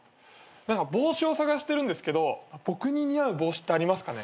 何か帽子を探してるんですけど僕に似合う帽子ってありますかね？